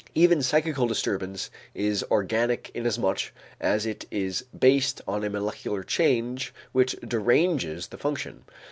Every psychical disturbance is organic inasmuch as it is based on a molecular change which deranges the function.